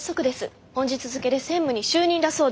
本日付で専務に就任だそうで。